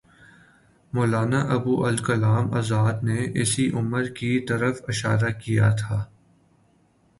مولانا ابوالکلام آزاد نے اسی امر کی طرف اشارہ کیا تھا۔